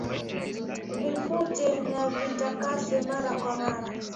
Vifute na vitakasa mara kwa mara